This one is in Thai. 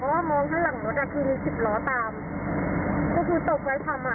ก็หยุดงงมาแบบว่าเอื้อมข่ายก่อนมาเห็นโมโตไซค์แล้วค่ะ